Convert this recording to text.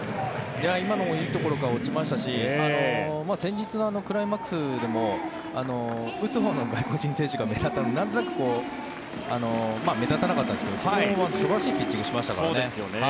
今のもいいところから落ちましたし先日、クライマックスでも打つほうの外国人選手が目立ったのでなんとなく目立たなかったんですけど素晴らしいピッチングをしましたからね。